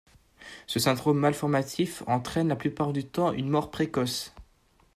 Ce syndrome malformatif entraîne la plupart du temps une mort précoce.